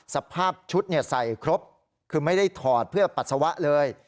สภาพชุดใส่ครบคือไม่ได้ถอดเพื่อปัสสาวะเลย